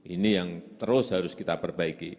ini yang terus harus kita perbaiki